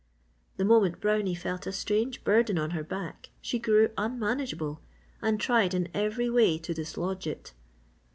The moment Brownie felt a strange burden on her back she grew unmanageable and tried in every way to dislodge it.